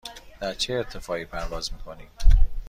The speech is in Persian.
در چه ارتفاعی پرواز می کنیم؟